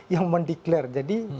yang mendeklare jadi